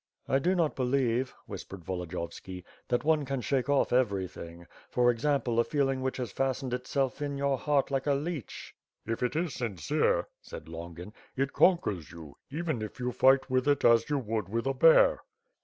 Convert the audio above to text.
"I do not believe," whispered Volodiyovski, "that one can shake off everything, for example, a feeling which has fas tened itself in your heart like a leech." "If it is sincere," said Longin, "it conquers you, even if you fight with it as you would with a bear."